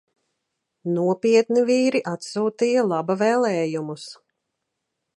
Nopietni vīri atsūtīja laba vēlējumus!